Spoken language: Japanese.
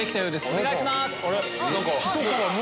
お願いします。